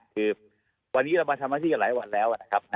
คือวันนี้เรามาทำหน้าที่กันหลายวันแล้วนะครับ